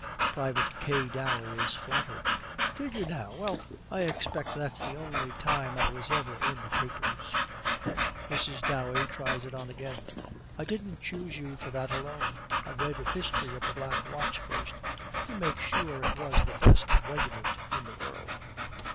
"' Private K. Dowey is flattered, 'Did you, now! Well, I expect that's the only time I was ever in the papers.' Mrs. Dowey tries it on again, 'I didn't choose you for that alone. I read a history of the Black Watch first, to make sure it was the best regiment in the world.'